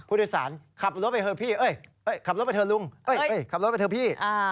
ผู้โดยสารขับรถไปเถอะพี่ขับรถไปเถอะลุงขับรถไปเถอะพี่